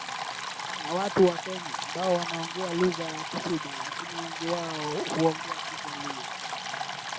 ya watu wa Kenya ambao wanaongea lugha ya Kisuba lakini wengi wao huongea Kijaluo